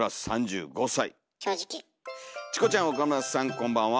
こんばんは！